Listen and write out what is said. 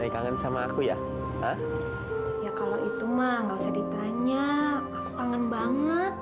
kangen sama aku ya ya kalau itu mah gak usah ditanya aku kangen banget